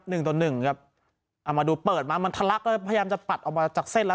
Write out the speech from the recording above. หนึ่งต่อหนึ่งครับเอามาดูเปิดมามันทะลักแล้วพยายามจะปัดออกมาจากเส้นแล้ว